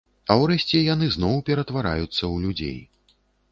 А ўрэшце яны зноў ператвараюцца ў людзей.